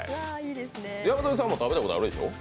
山添さんも食べたことあるでしょう。